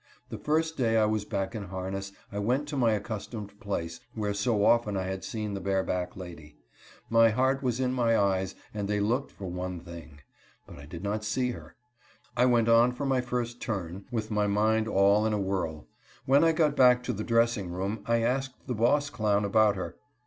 The first day I was back in harness I went to my accustomed place, where so often I had seen the bareback lady. My heart was in my eyes, and they looked for one thing. But I did not see her. I went on for my first turn, with my mind all in a whirl. When I got back to the dressing room I asked the boss clown about her.